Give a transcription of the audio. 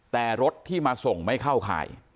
แต่รถที่มาส่งไม่เข้าข่าย